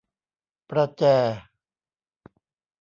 ประแจ